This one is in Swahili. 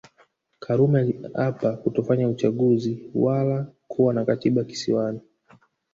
Karume aliapa kutofanya uchaguzi wala kuwa na Katiba Kisiwani